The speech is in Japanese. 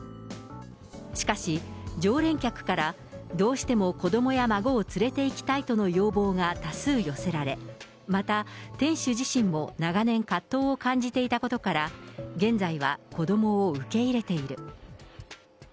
しかし、常連客からどうしても子どもや孫を連れていきたいとの要望が多数寄せられ、また、店主自身も長年葛藤を感じていたことから、現在は子どもを受け入れている。